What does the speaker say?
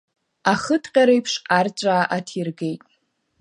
Ахыҭҟьареиԥш арҵәаа аҭиргеит.